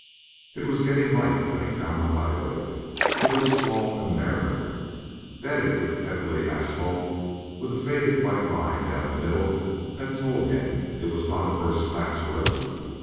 It was getting light when he found the highway. It was small and narrow, bedded with pebbly asphalt with a faded white line down the middle that told him it was not a first class road.